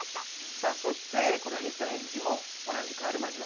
さあそして水田エンジも同じく「アルマジロ」。